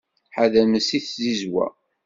Ḥadremt seg tzizwa.